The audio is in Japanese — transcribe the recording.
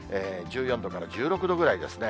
１４度から１６度ぐらいですね。